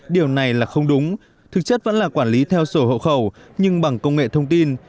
điều này là không đúng thực chất vẫn là quản lý theo sổ hộ khẩu nhưng bằng công nghệ thông tin